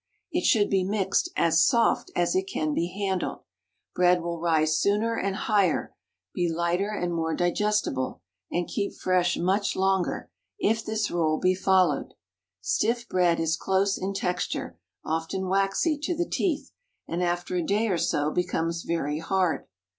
It should be mixed as soft as it can be handled. Bread will rise sooner and higher, be lighter and more digestible, and keep fresh much longer, if this rule be followed. Stiff bread is close in texture, often waxy to the teeth, and after a day or so becomes very hard.